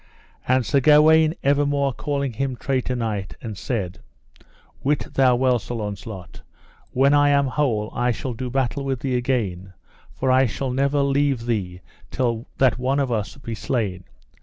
And Sir Gawaine evermore calling him traitor knight, and said: Wit thou well Sir Launcelot, when I am whole I shall do battle with thee again, for I shall never leave thee till that one of us be slain.